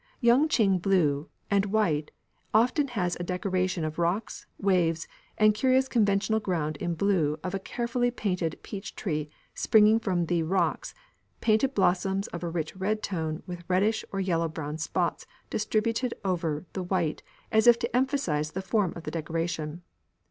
Yung ching blue, and white often has a decoration of rocks, waves and curious conventional ground in blue of a carefully painted peach tree springing from the rocks, painted blossoms of a rich red tone with reddish or yellowish brown spots distributed over the white as if to emphasise the form of the decoration.